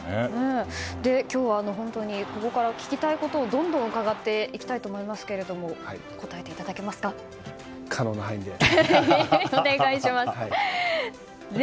今日は、本当にここから聞きたいことをどんどん伺っていきたいと思いますが可能な範囲で。